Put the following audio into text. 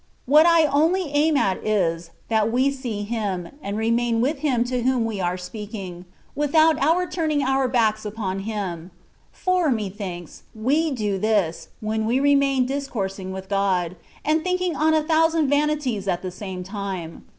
What I only aim at is, that we see Him, and re main with Him to whom we are speaking, with out our turning our backs upon Him; for, me thinks, we do this, when we remain discoursing with God, and thinking on a thousand vanities at the same time.